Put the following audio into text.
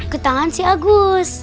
ke tangan si agus